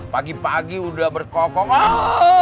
pagi pagi udah berkokong